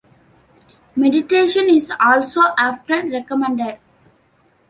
Meditation is also often recommended.